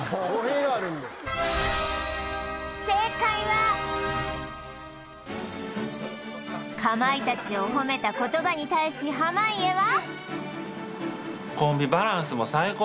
語弊があるんで正解はかまいたちを褒めた言葉に対し濱家は？